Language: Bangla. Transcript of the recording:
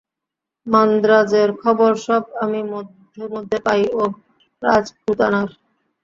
মান্দ্রাজের খবর সব আমি মধ্যে মধ্যে পাই ও রাজপুতানার।